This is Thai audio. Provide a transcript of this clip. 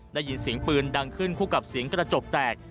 ได้ยินเสียงปืนดังขึ้นคู่กับเสียงกระจกแตก